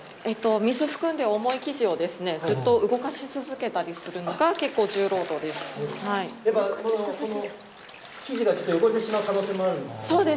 水含んで重い生地をずっと動かし続けたりするのが結構重労働です。